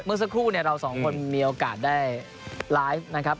เมื่อสักครู่เนี่ยเราสองคนมีโอกาสได้ไลฟ์นะครับ